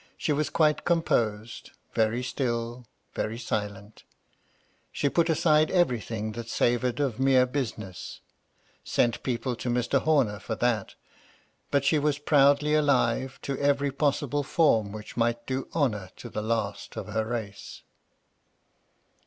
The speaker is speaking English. She was quite composed ; very still, very silent She put aside everything that savoured of mere business ; sent people to Mr. Homer for that But she was proudly alive to every possible form which might do honour to the last of her race.